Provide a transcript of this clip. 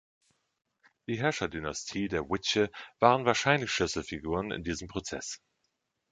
Die Herrscherdynastie der Hwicce waren wahrscheinlich Schlüsselfiguren in diesem Prozess.